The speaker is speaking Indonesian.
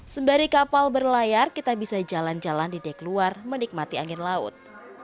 sembari kapal berlayar kita bisa jalan jalan di dek luar menikmati angin laut